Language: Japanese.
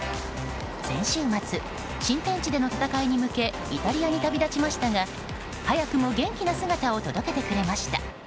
先週末、新天地での戦いに向けイタリアに旅立ちましたが早くも元気な姿を届けてくれました。